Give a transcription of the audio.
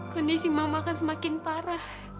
kondisi mama kan semakin parah